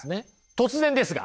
突然ですが。